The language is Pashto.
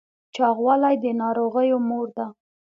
چاغوالی د ناروغیو مور ده